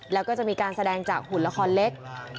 แล้วก็จะมีการแสดงจากหุ่นละครเล็ก